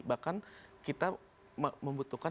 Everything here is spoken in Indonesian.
bahkan kita membutuhkan